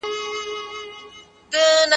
داخلي او خارجي سکتورونه باید همکاري وکړي.